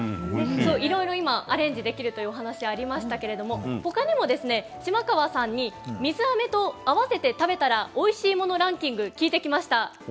いろいろアレンジできるというお話がありましたけど他にも島川さんに水あめと合わせて食べたらおいしいものランキングを聞いてきました。